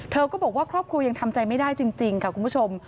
ก็บอกว่าครอบครัวยังทำใจไม่ได้จริงค่ะคุณผู้ชม